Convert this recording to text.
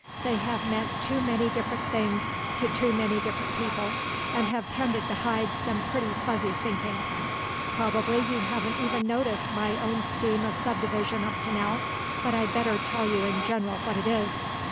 They have meant too many different things to too many different people and have tended to hide some pretty fuzzy thinking. Probably you haven't even noticed my own scheme of subdivision up to now, but I'd better tell you in general what it is.